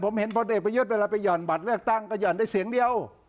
ผมเห็นพลเอกประยุทธ์เวลาไปห่อนบัตรเลือกตั้งก็ห่อนได้เสียงเดียว